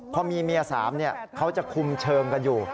พอมีเมีย๓เขาจะคุมเชิงกันอยู่